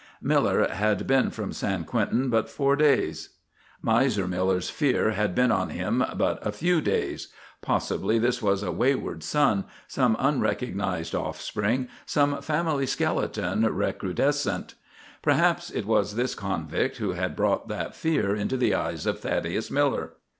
Miller had been from San Quentin but four days: Miser Miller's fear had been on him but a few days. Possibly this was a wayward son, some unrecognised offspring, some family skeleton recrudescent; perhaps it was this convict who had brought that fear into the eyes of Thaddeus Miller!